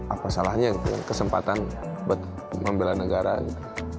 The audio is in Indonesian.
apa salahnya gitu kesempatan buat pembela negara gitu